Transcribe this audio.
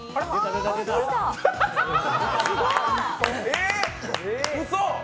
えっ、うそ！